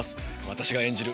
私が演じる